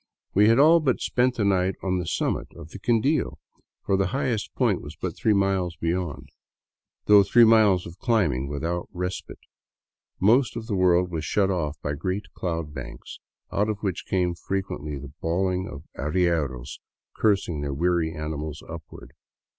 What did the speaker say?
We had all but spent the night on the summit of the Quindio, for the highest point was but three miles beyond, though three miles of climbing without respite. Most of the world was shut off by great cloud banks, out of which came frequently the bawling of arrieros cursing their weary animals upward.